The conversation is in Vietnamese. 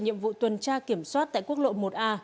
nhiệm vụ tuần tra kiểm soát tại quốc lộ một a